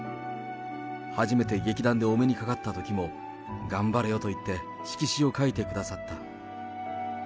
初めて劇団でお目にかかったときも、頑張れよと言って、色紙を書いてくださった。